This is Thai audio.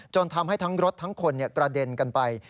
ทำให้ทั้งรถทั้งคนกระเด็นกันไป